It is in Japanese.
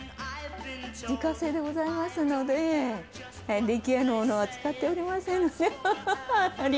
自家製でございますので、出来合いのものは使っておりません。